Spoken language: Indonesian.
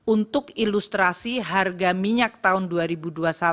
untuk ilustrasi harga minyak tahun dua ribu dua puluh satu rp enam puluh delapan